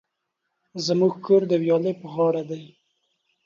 زموژ کور د ویالی په غاړه دی